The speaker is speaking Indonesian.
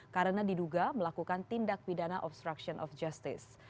karena diduga melakukan tindak pidana obstruction of justice